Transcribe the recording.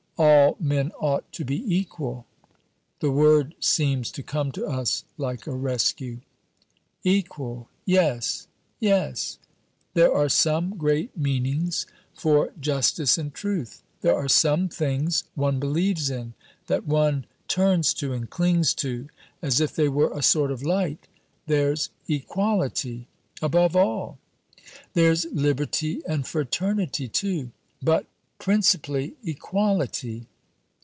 "All men ought to be equal." The word seems to come to us like a rescue. "Equal yes yes there are some great meanings for justice and truth. There are some things one believes in, that one turns to and clings to as if they were a sort of light. There's equality, above all." "There's liberty and fraternity, too." "But principally equality!"